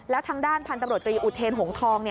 แล้วทางด้านพันธุ์ตำรวจตรีอุเทนหงทอง